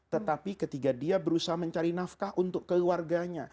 tetapi ketika dia berusaha mencari nafkah untuk keluarganya